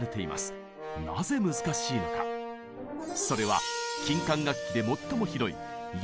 それは金管楽器で最も広い４